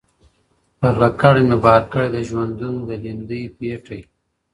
پر لکړه مي بار کړی د ژوندون د لیندۍ پېټی ,